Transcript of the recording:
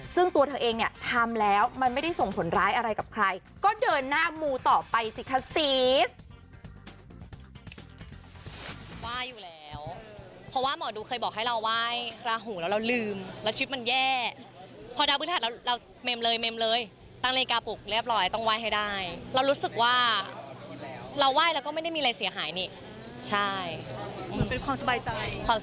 ซึ่งตัวเธอเองเนี่ยทำแล้วมันไม่ได้ส่งผลร้ายอะไรกับใครก็เดินหน้ามูต่อไปสิคะซีส